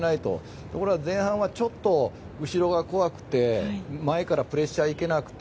ところが前半ちょっと、後ろが怖くて前からプレッシャーに行けなくて。